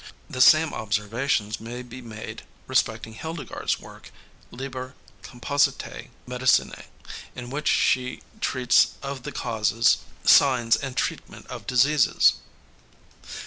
The same observations may be made respecting Hildegard 's work, Liber Compositæ Medicinæ, in which she treats of the causes, signs and treatment of diseases.